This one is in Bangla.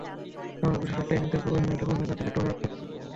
এমন অবিশ্বাস্য একটা ইনিংসের পরও হ্যামিল্টন মাসাকাদজার একটু আক্ষেপ থাকতে পারে।